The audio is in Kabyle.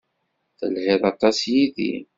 Telhiḍ aṭas yid-i.